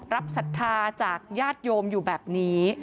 ศรัทธาจากญาติโยมอยู่แบบนี้